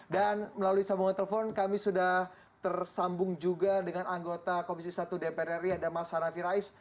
dan melalui sambungan telepon kami sudah tersambung juga dengan anggota komisi satu dpr ri ada mas harafi rais